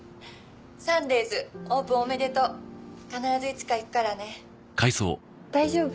サンデイズオープンおめでとう必ずいつか行くからね大丈夫？